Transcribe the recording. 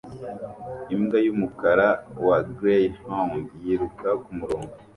Imbwa yumukara wa greyhound yiruka kumurongo